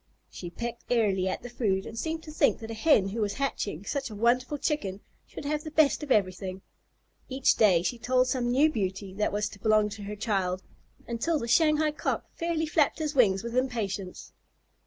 She pecked airily at the food, and seemed to think that a Hen who was hatching such a wonderful Chicken should have the best of everything. Each day she told some new beauty that was to belong to her child, until the Shanghai Cock fairly flapped his wings with impatience.